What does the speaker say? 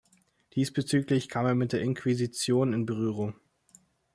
Diesbezüglich kam er mit der Inquisition in Berührung.